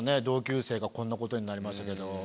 同級生がこんなことになりましたけど。